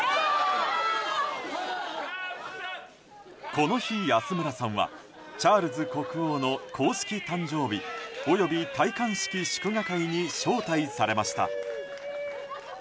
この日、安村さんはチャールズ国王の公式誕生日及び戴冠式祝賀会に招待されました。